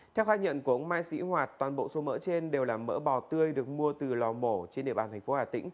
theo khai nhận của ông mai sĩ hoạt toàn bộ số mỡ trên đều là mỡ bò tươi được mua từ lò mổ trên địa bàn tp ht